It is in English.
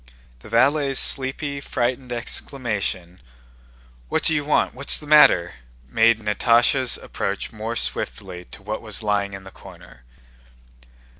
The valet's sleepy, frightened exclamation, "What do you want? What's the matter?" made Natásha approach more swiftly to what was lying in the corner.